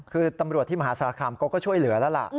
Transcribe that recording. คือตำรวจที่มหาสารคามเขาก็ช่วยเหลือแล้วล่ะ